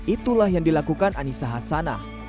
itulah yang dilakukan anissa hasanah